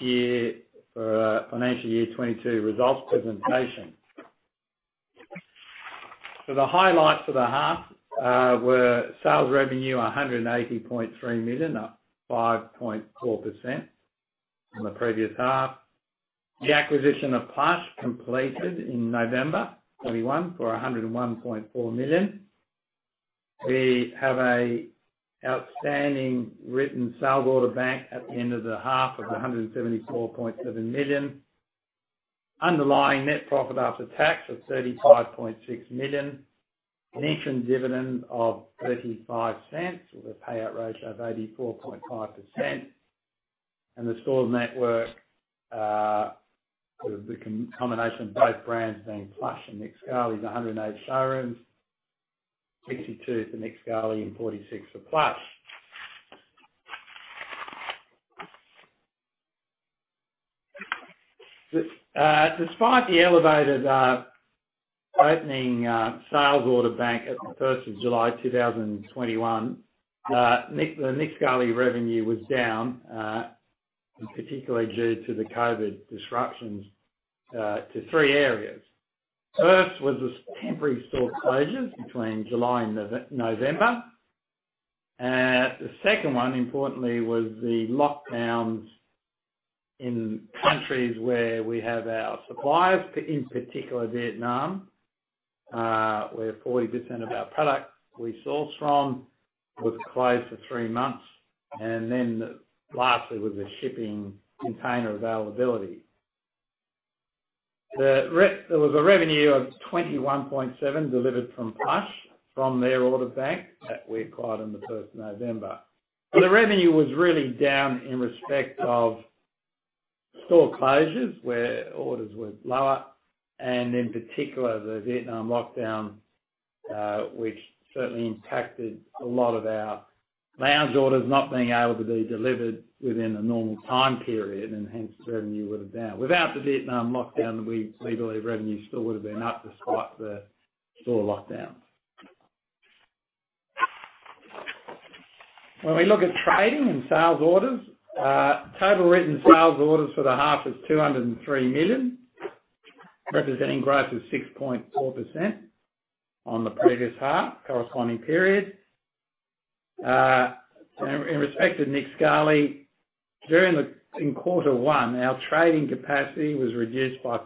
Half-year financial year 2022 results presentation. The highlights for the half were sales revenue 180.3 million, up 5.4% from the previous half. The acquisition of Plush completed in November 2021 for AUD 101.4 million. We have an outstanding written sales order bank at the end of the half of 174.7 million. Underlying net profit after tax of 35.6 million. Interim dividend of 0.35 with a payout ratio of 84.5%. The store network with the combination of both brands being Plush and Nick Scali is 108 showrooms. 62 for Nick Scali and 46 for Plush. Despite the elevated opening sales order bank at July 1, 2021, Nick Scali revenue was down, particularly due to the COVID disruptions to three areas. First was the temporary store closures between July and November. The second one, importantly, was the lockdowns in countries where we have our suppliers, in particular Vietnam, where 40% of our product we source from was closed for three months. Lastly, was the shipping container availability. There was a revenue of 21.7 million delivered from Plush, from their order bank that we acquired on the first of November. The revenue was really down in respect of store closures, where orders were lower, and in particular the Vietnam lockdown, which certainly impacted a lot of our lounge orders not being able to be delivered within a normal time period and hence the revenue was down. Without the Vietnam lockdown, we believe revenue still would've been up despite the store lockdowns. When we look at trading and sales orders, total written sales orders for the half is 203 million, representing growth of 6.4% on the previous half corresponding period. In respect to Nick Scali, in quarter one, our trading capacity was reduced by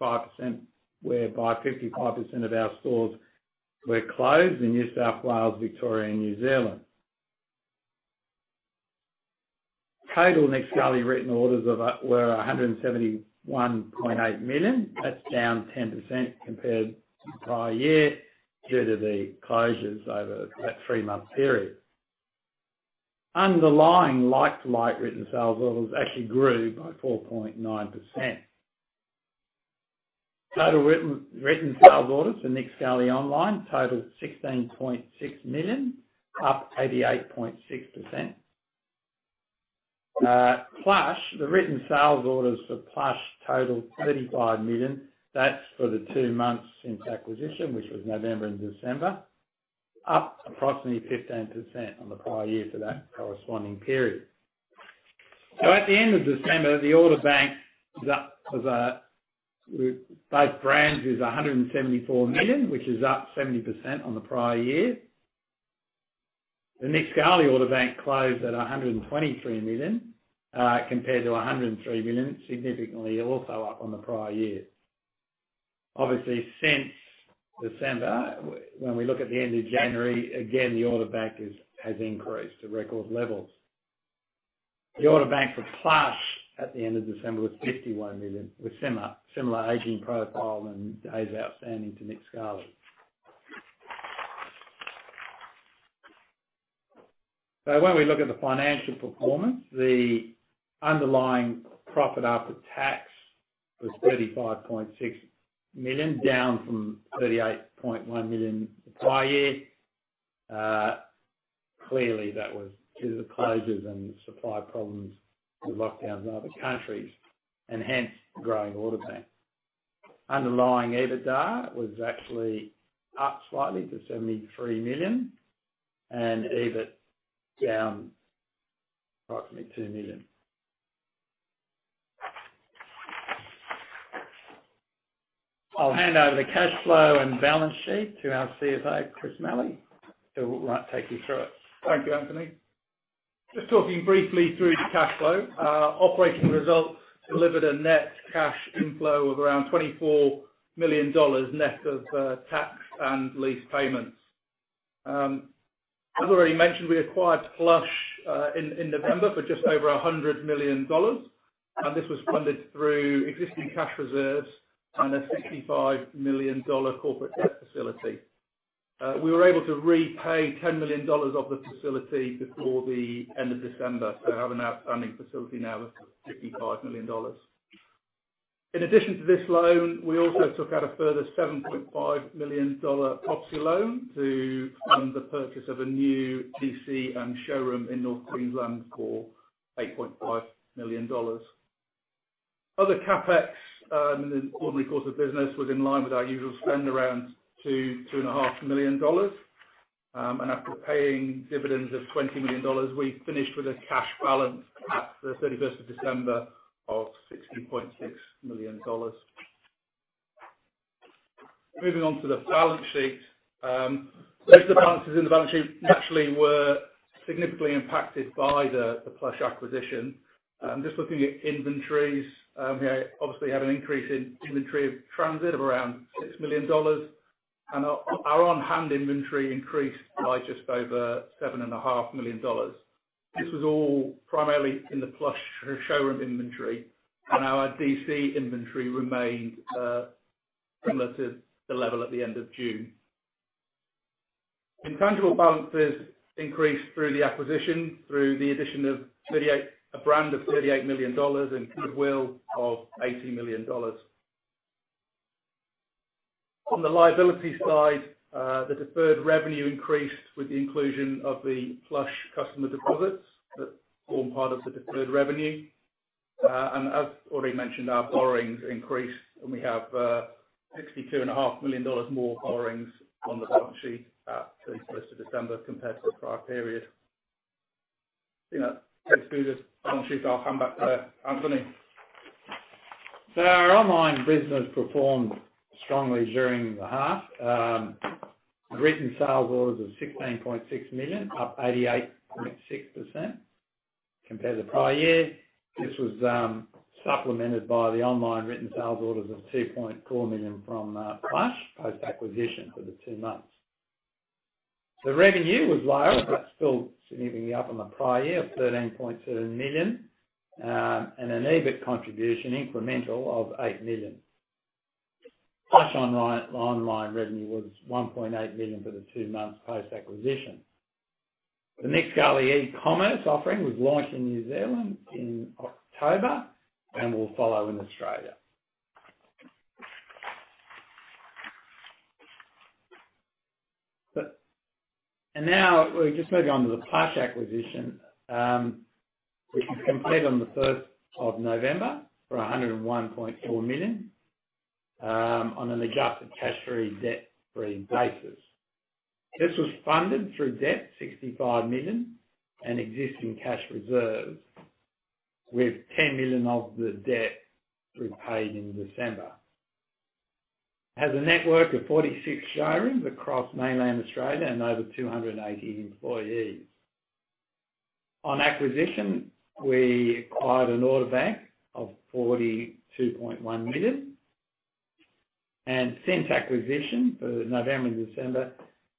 55%, whereby 55% of our stores were closed in New South Wales, Victoria and New Zealand. Total Nick Scali written orders were 171.8 million. That's down 10% compared to the prior year due to the closures over that three-month period. Underlying like-for-like written sales orders actually grew by 4.9%. Total written sales orders for Nick Scali online totals 16.6 million, up 88.6%. Plush, the written sales orders for Plush total 35 million. That's for the two months since acquisition, which was November and December, up approximately 15% on the prior year for that corresponding period. At the end of December, the order bank was up at, with both brands, 174 million, which is up 70% on the prior year. The Nick Scali order bank closed at 123 million compared to 103 million, significantly also up on the prior year. Obviously since December, when we look at the end of January, again, the order bank has increased to record levels. The order bank for Plush at the end of December was 51 million, with similar aging profile and days outstanding to Nick Scali. When we look at the financial performance, the underlying profit after tax was 35.6 million, down from 38.1 million the prior year. Clearly that was due to the closures and supply problems with lockdowns in other countries and hence the growing order bank. Underlying EBITDA was actually up slightly to 73 million and EBIT down approximately 2 million. I'll hand over to cash flow and balance sheet to our CFO, Chris Malley, who will now take you through it. Thank you, Anthony. Just talking briefly through the cash flow. Operating results delivered a net cash inflow of around 24 million dollars net of tax and lease payments. As already mentioned, we acquired Plush in November for just over 100 million dollars, and this was funded through existing cash reserves and a 65 million dollar corporate debt facility. We were able to repay 10 million dollars of the facility before the end of December, so we have an outstanding facility now of 55 million dollars. In addition to this loan, we also took out a further 7.5 million dollar property loan to fund the purchase of a new DC and showroom in North Queensland for 8.5 million dollars. Other CapEx in the ordinary course of business was in line with our usual spend around 2-2.5 million dollars. After paying dividends of 20 million dollars, we finished with a cash balance at the 31st of December of 16.6 million dollars. Moving on to the balance sheet. Most balances in the balance sheet naturally were significantly impacted by the Plush acquisition. Just looking at inventories, we obviously had an increase in inventory in transit of around 6 million dollars. Our on-hand inventory increased by just over 7.5 million dollars. This was all primarily in the Plush showroom inventory, and our DC inventory remained similar to the level at the end of June. Intangible balances increased through the acquisition through the addition of a brand of 38 million dollars and goodwill of 80 million dollars. On the liability side, the deferred revenue increased with the inclusion of the Plush customer deposits that form part of the deferred revenue. As already mentioned, our borrowings increased, and we have 62.5 million dollars more borrowings on the balance sheet at December 31 compared to the prior period. You know, let's do this. Balance sheet, I'll come back to that. Anthony. Our online business performed strongly during the half. Written sales orders of 16.6 million, up 88.6% compared to the prior year. This was supplemented by the online written sales orders of 2.4 million from Plush post-acquisition for the two months. The revenue was lower, but still significantly up on the prior year of 13.7 million, and an EBIT contribution incremental of 8 million. Plush online revenue was 1.8 million for the two months post-acquisition. The Nick Scali e-commerce offering was launched in New Zealand in October and will follow in Australia. Now we just move on to the Plush acquisition, which was completed on the first of November for 101.4 million, on an adjusted cash-free, debt-free basis. This was funded through debt, 65 million, and existing cash reserves, with 10 million of the debt repaid in December. It has a network of 46 showrooms across mainland Australia and over 280 employees. On acquisition, we acquired an order bank of 42.1 million. Since acquisition in November and December,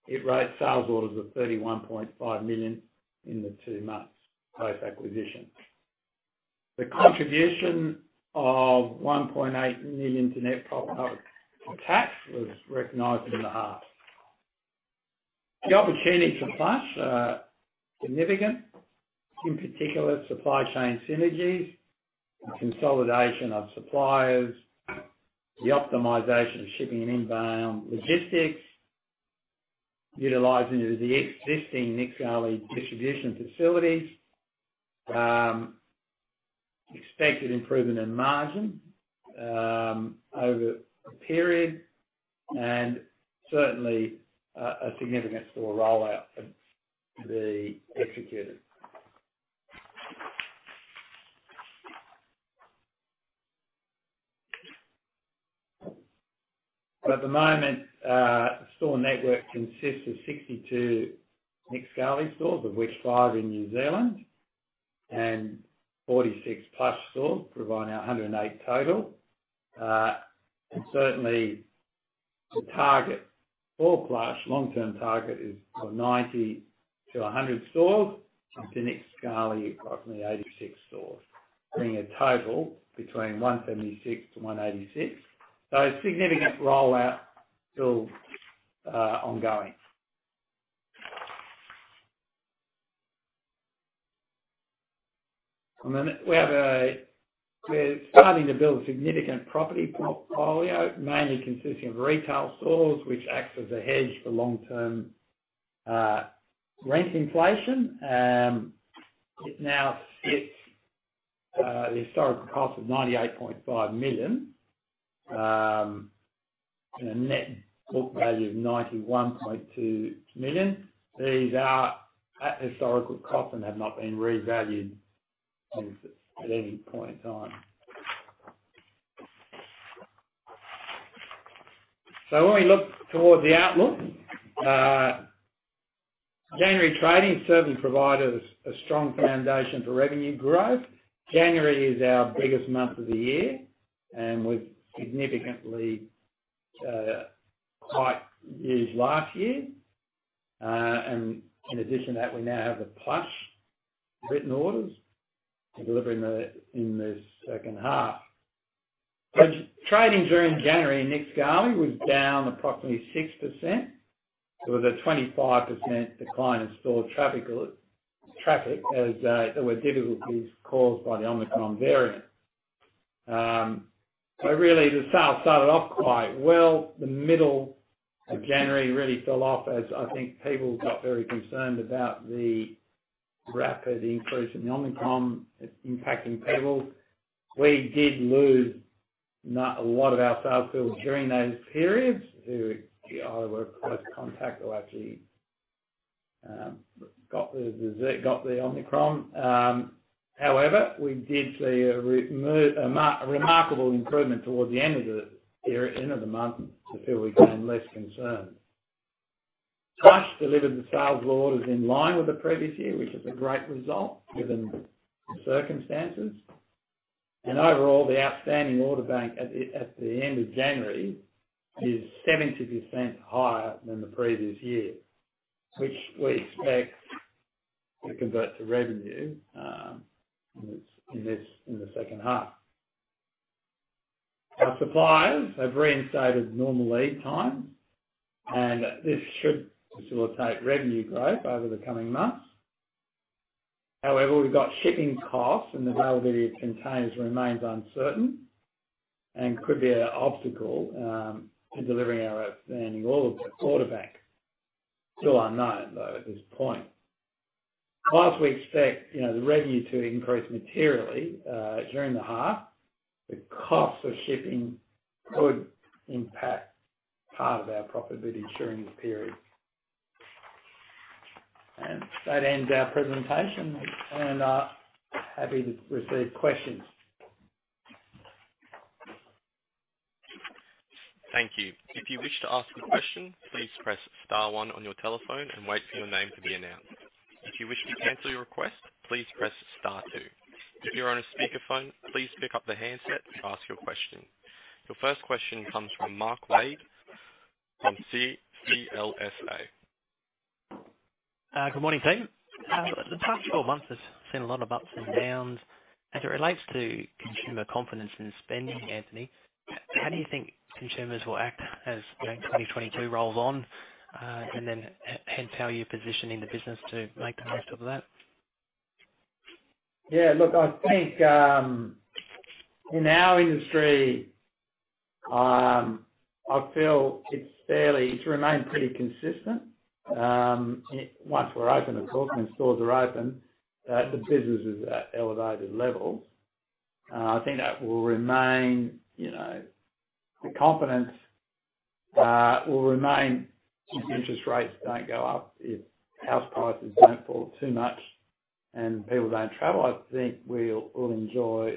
it wrote sales orders of 31.5 million in the two months post-acquisition. The contribution of 1.8 million to net profit before tax was recognized in the half. The opportunities for Plush are significant, in particular supply chain synergies and consolidation of suppliers, the optimization of shipping and inbound logistics, utilizing the existing Nick Scali distribution facilities, expected improvement in margin over a period, and certainly a significant store rollout to be executed. At the moment, store network consists of 62 Nick Scali stores, of which five are in New Zealand, and 46 Plush stores providing a 108 total. Certainly the long-term target for Plush is 90-100 stores, up to Nick Scali, approximately 86 stores, bringing a total between 176-186. A significant rollout still ongoing. We're starting to build a significant property portfolio, mainly consisting of retail stores, which acts as a hedge for long-term rent inflation. It now sits at a historical cost of 98.5 million, and a net book value of 91.2 million. These are at historical cost and have not been revalued since at any point in time. When we look toward the outlook, January trading certainly provided us a strong foundation for revenue growth. January is our biggest month of the year, and we've significantly outpaced last year. In addition to that, we now have the Plush written orders to deliver in the second half. Trading during January in Nick Scali was down approximately 6%. There was a 25% decline in store traffic as there were difficulties caused by the Omicron variant. Really the sales started off quite well. The middle of January really fell off as I think people got very concerned about the rapid increase in Omicron's impacting people. We didn't lose a lot of our sales people during those periods who either were close contact or actually got the Omicron. However, we did see a remarkable improvement towards the end of the year, end of the month as people became less concerned. Plush delivered the sales orders in line with the previous year, which is a great result given the circumstances. Overall, the outstanding order bank at the end of January is 70% higher than the previous year, which we expect to convert to revenue in the second half. Our suppliers have reinstated normal lead times, and this should facilitate revenue growth over the coming months. However, we've got shipping costs and availability of containers remain uncertain and could be an obstacle to delivering our outstanding order bank. Still unknown, though, at this point. Plus, we expect, you know, the revenue to increase materially during the half. The cost of shipping could impact part of our profitability during the period. That ends our presentation, and I'm happy to receive questions. Thank you. If you wish to ask a question, please press star one on your telephone and wait for your name to be announced. If you wish to cancel your request, please press star two. If you're on a speakerphone, please pick up the handset to ask your question. Your first question comes from Mark Wade from CLSA. Good morning, team. The past twelve months has seen a lot of ups and downs. As it relates to consumer confidence and spending, Anthony, how do you think consumers will act as, you know, 2022 rolls on? And then, hence, how are you positioning the business to make the most of that? Yeah, look, I think, in our industry, I feel it's remained pretty consistent. Once we're open, of course, when stores are open, the business is at elevated levels. I think that will remain, you know, the confidence will remain if interest rates don't go up, if house prices don't fall too much and people don't travel. I think we'll enjoy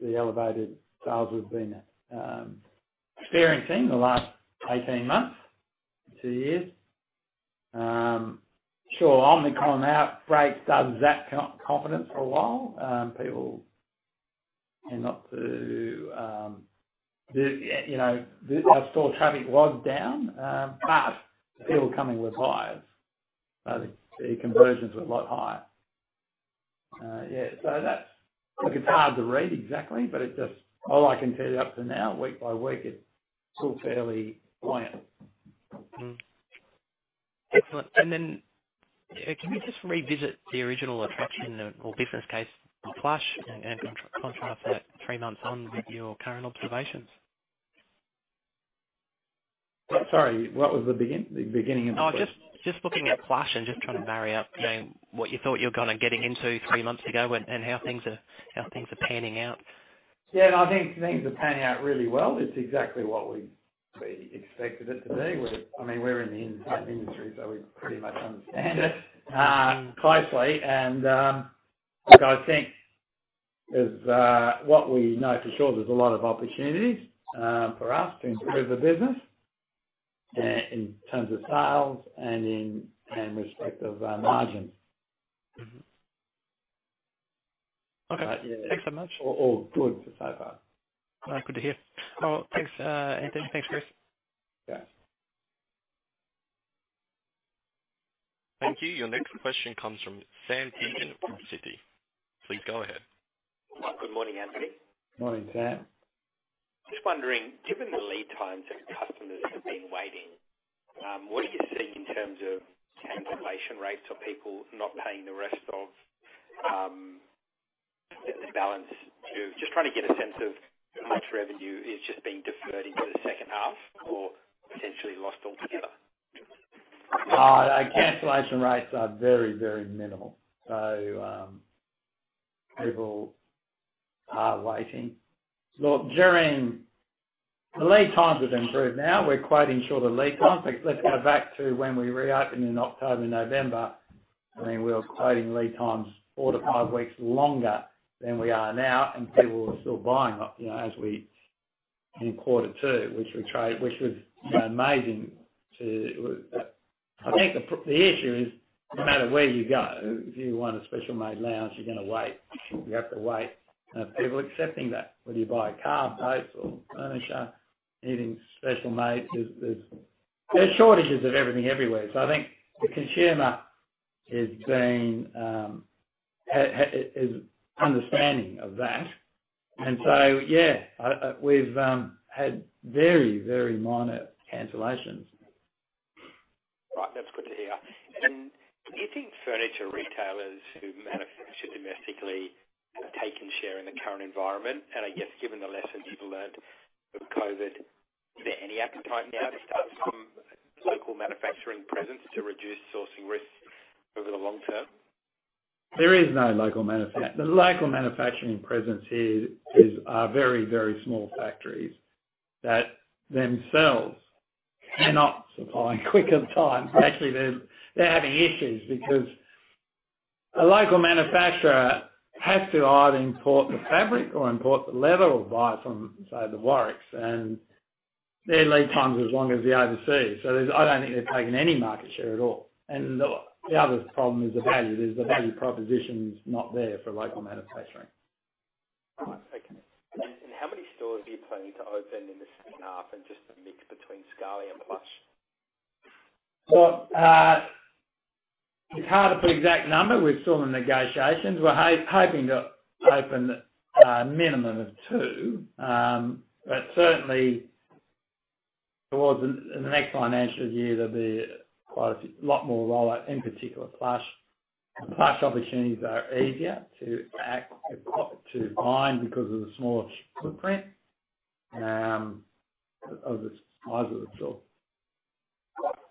the elevated sales we've been experiencing the last 18 months to two years. Sure, Omicron outbreak damps that confidence for a while. People tend not to. Our store traffic was down, but people coming were buyers. The conversions were a lot higher. Yeah, so that's, look, it's hard to read exactly, but it just. All I can tell you up to now, week by week, it's still fairly buoyant. Excellent. Can we just revisit the original attraction or business case on Plush and contrast that three months on with your current observations? Sorry, what was the beginning of the question? Oh, just looking at Plush and just trying to marry up, you know, what you thought you were gonna get into three months ago and how things are panning out. Yeah, no, I think things are panning out really well. It's exactly what we expected it to be. We're, I mean, we're in the industry, so we pretty much understand it closely. Look, I think what we know for sure, there's a lot of opportunities for us to improve the business in terms of sales and in respect of margins. Thanks so much. All good so far. All right. Good to hear. Well, thanks, Anthony. Thanks, Chris. Thank you. Your next question comes from Sam Teeger from Citi. Please go ahead. Good morning, Anthony. Morning, Sam. Just wondering, given the lead times that customers have been waiting, what are you seeing in terms of cancellation rates or people not paying the rest of, the balance due? Just trying to get a sense of how much revenue is just being deferred into the second half or potentially lost altogether. Cancellation rates are very, very minimal, so people are waiting. Look, the lead times have improved now. We're quoting shorter lead times. Let's go back to when we reopened in October, November. I mean, we were quoting lead times 4-5 weeks longer than we are now, and people were still buying up, you know, in quarter two, which we trade, which was, you know, amazing. I think the issue is, no matter where you go, if you want a specially made lounge, you're gonna wait. You have to wait. People are accepting that. Whether you buy a car, boats or furniture, anything specially made, there's shortages of everything everywhere. I think the consumer is understanding of that. We've had very, very minor cancellations. Right. That's good to hear. Do you think furniture retailers who manufacture domestically have taken share in the current environment? I guess given the lessons people learned from COVID, is there any appetite now to start some local manufacturing presence to reduce sourcing risks over the long term? The local manufacturing presence here is, are very, very small factories that themselves cannot supply quick of time. Actually, they're having issues because a local manufacturer has to either import the fabric or import the leather or buy it from, say, the Warwick Fabrics, and their lead time's as long as the overseas. So, I don't think they've taken any market share at all. The other problem is the value proposition's not there for local manufacturing. All right. Okay. How many stores are you planning to open in the second half, and just the mix between Scali and Plush? Well, it's hard to put exact number. We're still in negotiations. We're hoping to open a minimum of 2. Certainly towards the next financial year, there'll be quite a few, a lot more rollout, in particular, Plush. The Plush opportunities are easier to buy in because of the smaller footprint of the size of the store.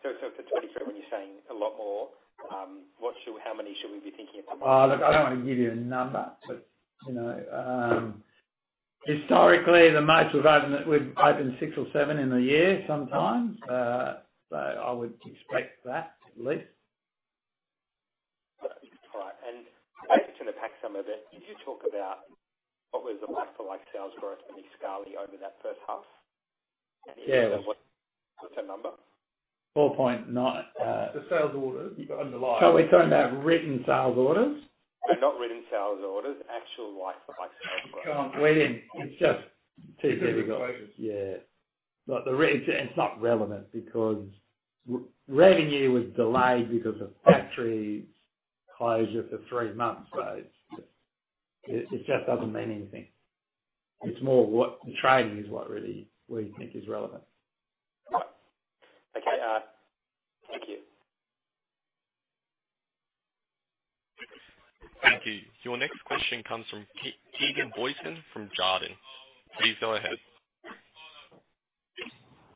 For 2023, when you're saying a lot more, how many should we be thinking of approximately? Oh, look, I don't wanna give you a number, but, you know, historically the most we've opened 6 or 7 in a year sometimes. I would expect that at least. All right. I just wanna unpack some of it. Did you talk about what was the like-for-like sales growth in the Scali over that first half? If you did, what's that number? 4.9. The sales orders you've got underlying. Are we talking about written sales orders? No, not written sales orders. Actual like-for-like sales growth. We didn't. It's just too difficult. Yeah. It's not relevant because revenue was delayed because of factory closure for three months. So it just doesn't mean anything. It's more what the trading is, what really we think is relevant. Right. Okay. Thank you. Thank you. Your next question comes from Keegan Booysen from Jarden. Please go ahead.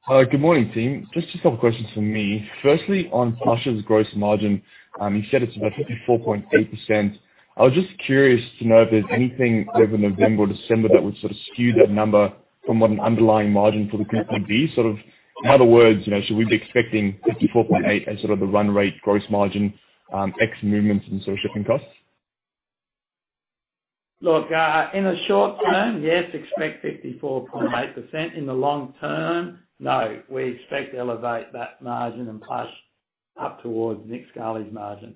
Good morning, team. Just a couple questions from me. Firstly, on Plush's gross margin, you said it's about 54.8%. I was just curious to know if there's anything over November, December that would sort of skew that number from what an underlying margin for the group would be. Sort of, in other words, you know, should we be expecting 54.8% as sort of the run rate gross margin, ex movements in sort of shipping costs? Look, in the short term, yes, expect 54.8%. In the long term, no, we expect to elevate that margin in Plush up towards Nick Scali's margin.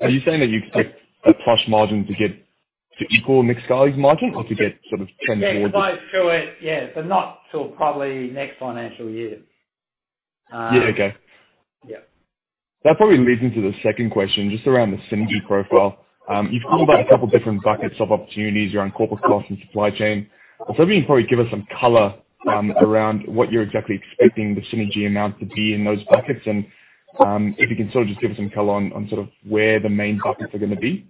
Are you saying that you expect the Plush margin to get to equal Nick Scali's margin or to get sort of trend towards it? Yeah, close to it, yeah, but not till probably next financial year. Yeah. Okay. That probably leads into the second question, just around the synergy profile. You've talked about a couple different buckets of opportunities around corporate costs and supply chain. I was hoping you'd probably give us some color around what you're exactly expecting the synergy amount to be in those buckets and, if you can sort of just give us some color on sort of where the main buckets are gonna be.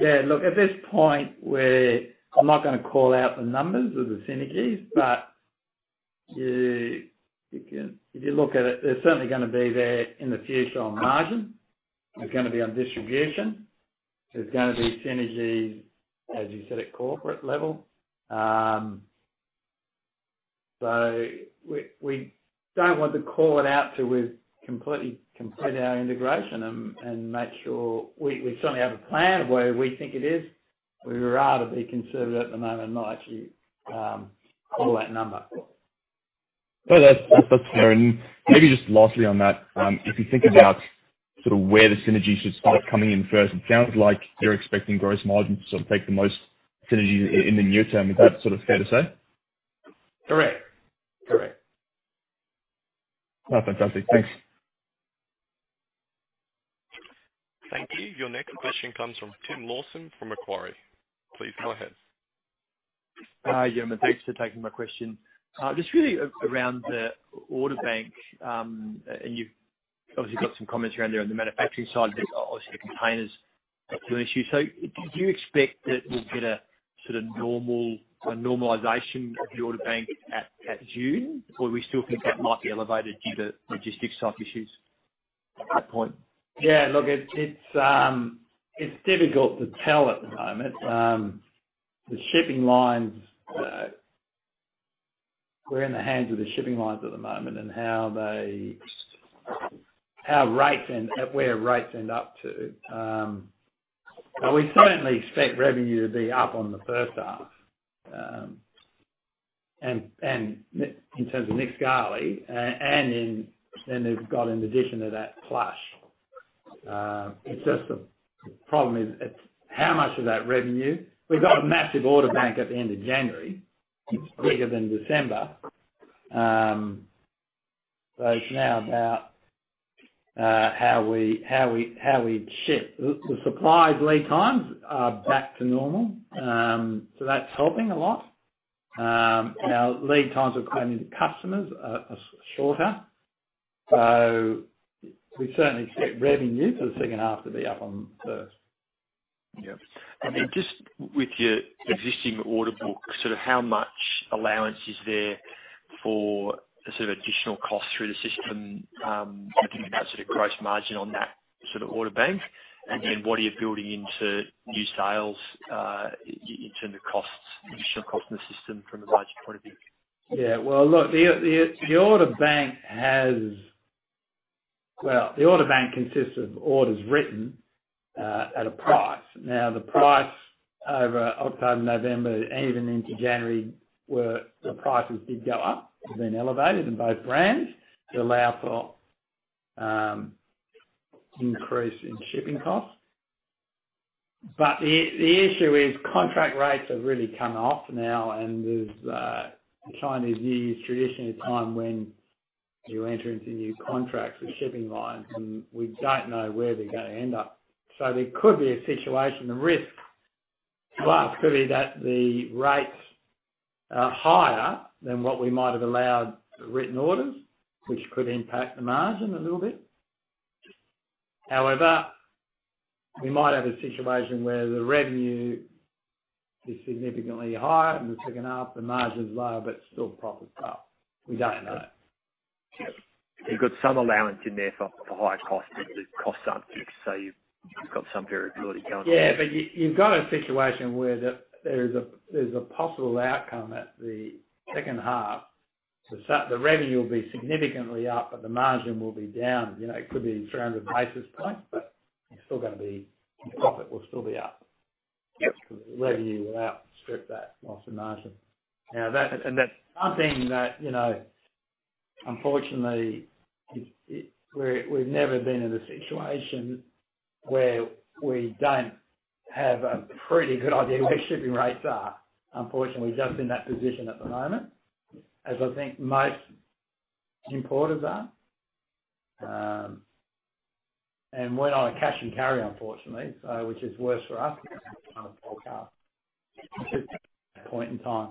Yeah. Look, at this point, I'm not gonna call out the numbers of the synergies, but you can. If you look at it, they're certainly gonna be there in the future on margin. They're gonna be on distribution. There's gonna be synergies, as you said, at corporate level. We don't want to call it out till we've completely completed our integration and make sure we certainly have a plan of where we think it is. We would rather be conservative at the moment and not actually call that number. No, that's fair. Maybe just lastly on that, if you think about sort of where the synergies should start coming in first, it sounds like you're expecting gross margin to sort of take the most synergies in the near term. Is that sort of fair to say? Correct. Correct. Oh, fantastic. Thanks. Thank you. Your next question comes from Tim Lawson from Macquarie. Please go ahead. Hi, gentlemen. Thanks for taking my question. Just really around the order bank, and you've obviously got some comments around there on the manufacturing side. There are obviously containers that are an issue. Do you expect that we'll get a normalization of the order bank at June? Or we still think that might be elevated due to logistics type issues at that point? Yeah. Look, it's difficult to tell at the moment. The shipping lines, we're in the hands of the shipping lines at the moment and how rates end up, where rates end up, too. We certainly expect revenue to be up on the first half. In terms of Nick Scali, then they've got in addition to that, Plush. The problem is how much of that revenue. We've got a massive order bank at the end of January. It's bigger than December. It's now about how we ship. The supply lead times are back to normal, so that's helping a lot. Now lead times to customers are shorter. We certainly expect revenue for the second half to be up on the first. Yep. I mean, just with your existing order book, sort of how much allowance is there for the sort of additional cost through the system, thinking about sort of gross margin on that sort of order book? What are you building into new sales, in terms of costs, additional cost in the system from a margin point of view? Yeah. Well, look, the order bank consists of orders written at a price. Now, the price over October, November, and even into January, the prices did go up. They've been elevated in both brands to allow for increase in shipping costs. The issue is contract rates have really come off now, and there's Chinese New Year that's traditionally a time when you enter into new contracts with shipping lines, and we don't know where they're gonna end up. There could be a situation, the risk could be that the rates are higher than what we might have allowed the written orders, which could impact the margin a little bit. We might have a situation where the revenue is significantly higher in the second half, the margin's lower, but still profit's up. We don't know. Yep. You've got some allowance in there for higher costs. The costs aren't fixed, so you've got some variability going on. Yeah. You've got a situation where there's a possible outcome at the second half. The revenue will be significantly up, but the margin will be down. You know, it could be 300 basis points, but it's still gonna be. The profit will still be up. The revenue will outstrip that loss of margin. Now that's something that, you know, unfortunately we've never been in a situation where we don't have a pretty good idea where shipping rates are. Unfortunately, we're just in that position at the moment, as I think most importers are. We're on a cash and carry, unfortunately, so which is worse for us point in time.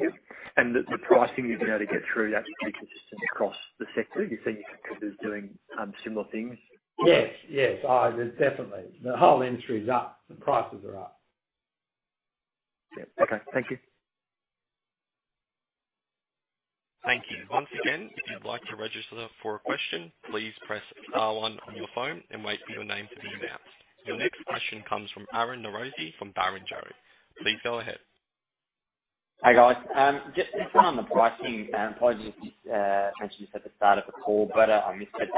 Yep. The pricing you've been able to get through that is pretty consistent across the sector? You're seeing competitors doing similar things? Yes, yes. Oh, definitely. The whole industry is up. The prices are up. Yep. Okay. Thank you. Thank you. Once again, if you'd like to register for a question, please press star one on your phone and wait for your name to be announced. Your next question comes from Aryan Norozi from Barrenjoey. Please go ahead. Hey, guys. Just one on the pricing. Apologies if you mentioned this at the start of the call, but I missed it.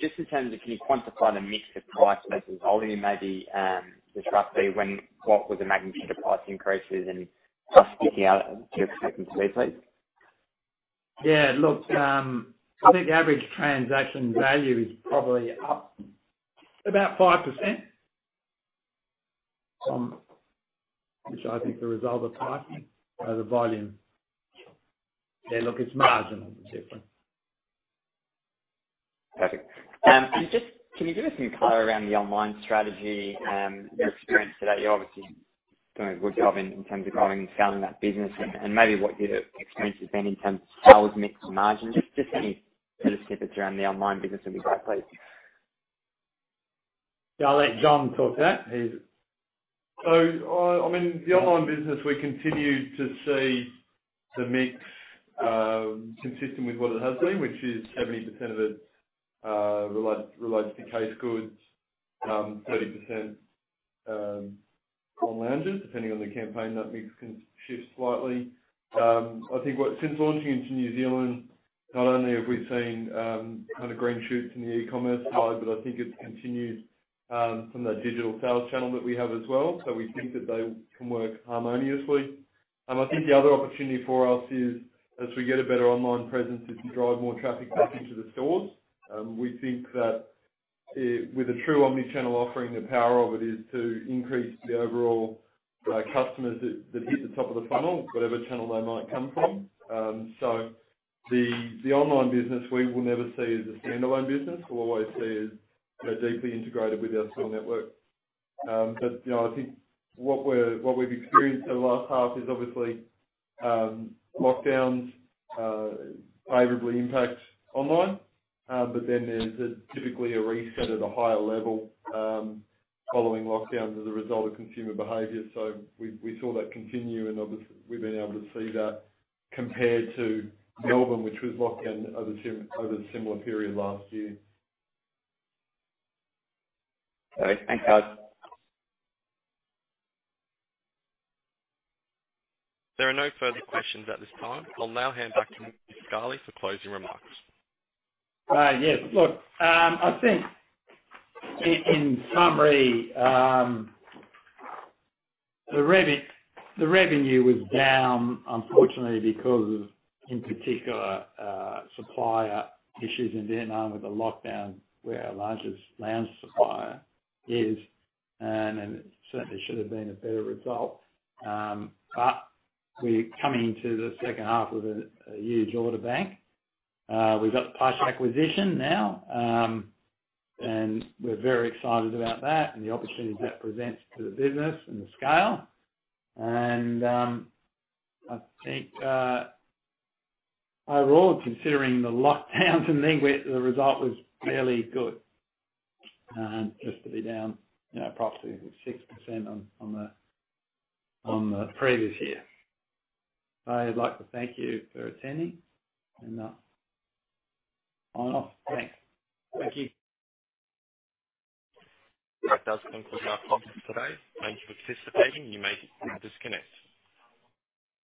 Just in terms of can you quantify the mix of price versus volume, maybe descriptively what was the magnitude of price increases and just sticking out do you expect them to be, please? Yeah. Look, I think average transaction value is probably up about 5%. Which I think is the result of pricing or the volume. Yeah. Look, it's marginal, the difference. Perfect. Just can you give us some color around the online strategy, and your experience to date? You're obviously doing a good job in terms of growing and scaling that business and maybe what your experience has been in terms of sales mix and margin. Just any little snippets around the online business would be great, please. Yeah, I'll let John talk to that. I mean, the online business, we continue to see the mix consistent with what it has been, which is 70% of it relates to case goods, 30% on loungers. Depending on the campaign, that mix can shift slightly. I think since launching into New Zealand, not only have we seen kind of green shoots in the e-commerce side, but I think it's continued from that digital sales channel that we have as well. We think that they can work harmoniously. I think the other opportunity for us is as we get a better online presence is to drive more traffic back into the stores. We think that with a true omni-channel offering, the power of it is to increase the overall customers that hit the top of the funnel, whatever channel they might come from. The online business we will never see as a standalone business. We'll always see as, you know, deeply integrated with our store network. I think what we've experienced over the last half is obviously lockdowns favorably impact online. Then there's typically a reset at a higher level following lockdowns as a result of consumer behavior. We saw that continue and we've been able to see that compared to Melbourne, which was locked down over the similar period last year. Great. Thanks, guys. There are no further questions at this time. I'll now hand back to Mr. Scali for closing remarks. Yes. Look, I think in summary, the revenue was down, unfortunately, because of, in particular, supplier issues in Vietnam with the lockdown, where our largest lounge supplier is, and it certainly should have been a better result. We're coming into the second half with a huge order bank. We've got the Plush acquisition now, and we're very excited about that and the opportunities that presents to the business and the scale. I think, overall, considering the lockdowns in the end, the result was fairly good, just to be down, you know, approximately 6% on the previous year. I'd like to thank you for attending and sign off. Thanks. Thank you. That does conclude our conference today. Thank you for participating. You may disconnect.